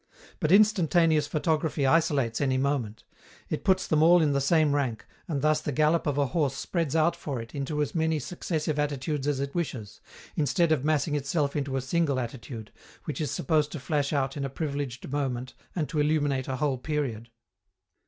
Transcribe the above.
But instantaneous photography isolates any moment; it puts them all in the same rank, and thus the gallop of a horse spreads out for it into as many successive attitudes as it wishes, instead of massing itself into a single attitude, which is supposed to flash out in a privileged moment and to illuminate a whole period.